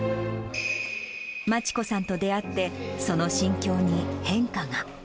真知子さんと出会って、その心境に変化が。